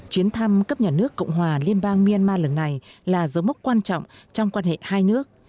chuyến thăm cấp nhà nước cộng hòa liên bang myanmar lần này là dấu mốc quan trọng trong quan hệ hai nước